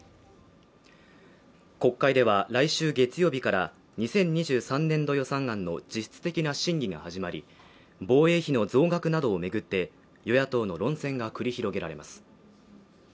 国会では来週月曜日から２０２３年度予算案の実質的な審議が始まり防衛費の増額などを巡って与野党の論戦が繰り広げられます